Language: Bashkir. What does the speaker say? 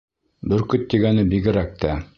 Бөркөт тигәне бигерәк тә.